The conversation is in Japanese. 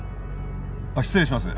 あっ失礼します。